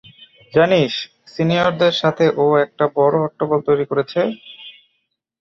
জানিস সিনিয়রদের সাথে ও একটা বড় হট্টগোল তৈরি করেছে?